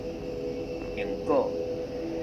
𠕇 果